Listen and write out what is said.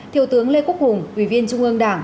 thiếu tướng lê quốc hùng ủy viên trung ương đảng